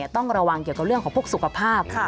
ต้องระวังเกี่ยวกับเรื่องของพวกสุขภาพ